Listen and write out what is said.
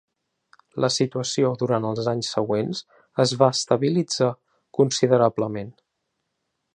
La situació durant els anys següents es va estabilitzar considerablement.